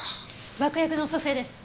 爆薬の組成です。